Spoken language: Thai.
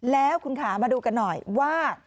แล้วคุณขามาดูกันหน่อยว่า